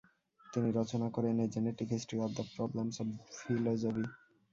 তিনি রচনা করেন- a genetic history of the problems of philosophy.